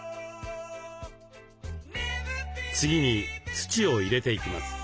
次に土を入れていきます。